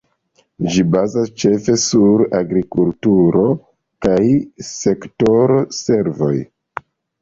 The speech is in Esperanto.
Ĝi bazas ĉefe sur agrikulturo kaj sektoro servoj.